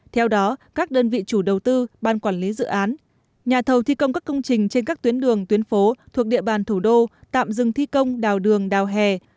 theo đó các đơn vị chủ đầu tư ban quản lý dự án nhà thầu thi công các công trình trên các tuyến đường tuyến phố thuộc địa bàn thủ đô tạm dừng thi công đào đường đào hè